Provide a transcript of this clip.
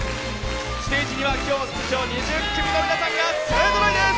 ステージには今日、出場２０組の皆さんが勢ぞろいです。